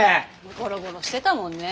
ゴロゴロしてたもんねえ。